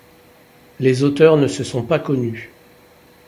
Leurs auteurs ne sont pas connus.